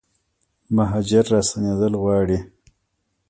مهاجر راستنیدل غواړي